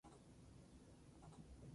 Su globo se levantó unos metros del suelo.